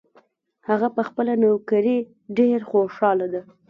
هغه په خپله نوکري ډېر خوشحاله ده